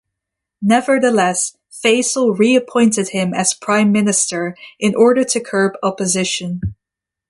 Nevertheless, Faisal reappointed him as prime minister in order to curb opposition.